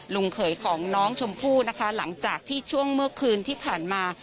เขยของน้องชมพู่นะคะหลังจากที่ช่วงเมื่อคืนที่ผ่านมา